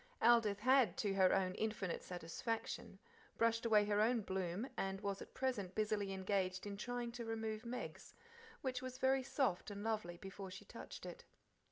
Aldith had, to her own infinite satisfaction, brushed away her own "bloom," and was at present busily engaged in trying to remove Meg's, which was very soft and lovely before she touched it.